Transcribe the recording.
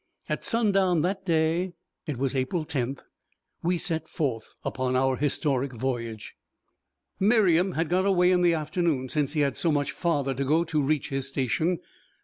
At sundown that day it was April 10th we set forth upon our historic voyage. Miriam had got away in the afternoon, since he had so much farther to go to reach his station.